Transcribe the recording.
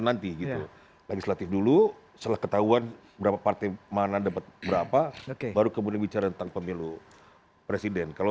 nanti gitu legislatif dulu setelah ketahuan berapa partai mana dapat berapa baru kemudian bicara tentang pemilu presiden kalau